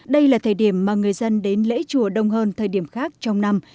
đây là thời điểm mà người dân đến lễ chùa đông hơn thời điểm khác trong năm